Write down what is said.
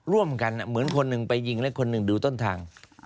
เหมือนกันเหมือนคนหนึ่งไปยิงและคนหนึ่งดูต้นทาง